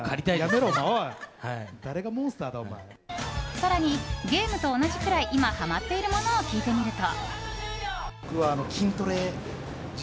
更に、ゲームと同じくらい今、ハマっているものを聞いてみると。